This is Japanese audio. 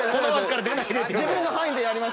自分の範囲でやりました。